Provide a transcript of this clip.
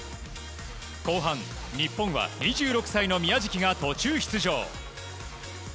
後半、日本は２６歳の宮食が途中出場。